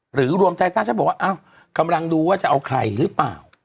หรือรวมใจก็จะบอกว่าอ้าวกำลังดูว่าจะเอาใครหรือเปล่า